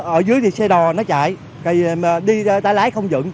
ở dưới thì xe đò nó chạy đi tay lái không dựng